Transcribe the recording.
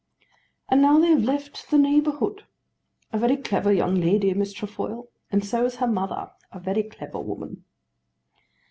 "And now they have left the neighbourhood. A very clever young lady, Miss Trefoil; and so is her mother, a very clever woman."